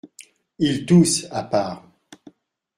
Il tousse, à part.